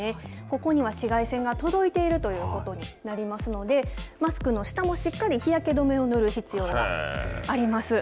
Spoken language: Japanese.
ここには紫外線が届いているということになりますので、マスクの下もしっかり、日焼け止めを塗る必要があります。